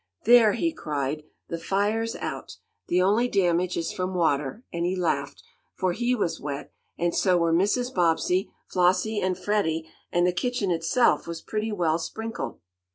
"There!" he cried. "The fire's out! The only damage is from water," and he laughed, for he was wet, and so were Mrs. Bobbsey, Flossie and Freddie; and the kitchen itself was pretty well sprinkled.